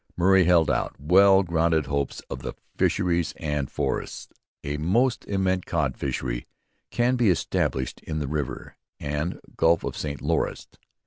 Murray held out well grounded hopes of the fisheries and forests. 'A Most immense Cod Fishery can be established in the River and Gulph of St Lawrence.